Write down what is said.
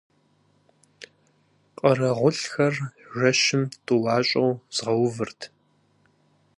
Къэрэгъулхэр жэщым тӀуащӀэу згъэувырт.